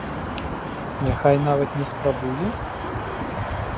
Няхай нават не спрабуе?